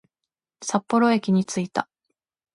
札幌駅に着いた